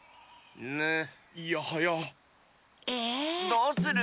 どうする？